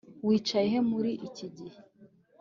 Wicaye he muri iki gihe